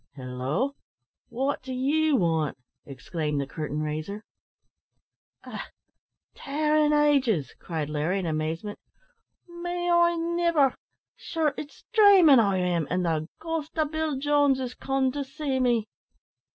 "Halloo! wot do you want?" exclaimed the curtain raiser. "Eh! tare an' ages!" cried Larry, in amazement. "May I niver! Sure it's draimin' I am; an' the ghost o' Bill Jones is comed to see me!"